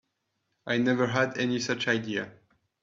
I never had any such idea.